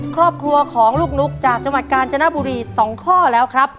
ครอบครัวของลูกนุ๊กจากจังหวัดกาญจนบุรี๒ข้อแล้วครับ